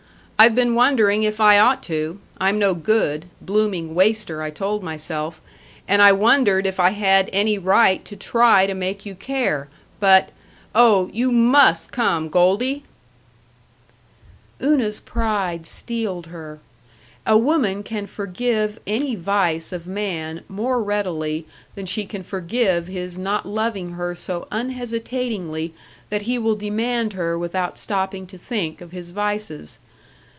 I've been wondering if I ought to I'm no good; blooming waster, I told myself; and I wondered if I had any right to try to make you care; but Oh, you must come, Goldie!" Una's pride steeled her. A woman can forgive any vice of man more readily than she can forgive his not loving her so unhesitatingly that he will demand her without stopping to think of his vices.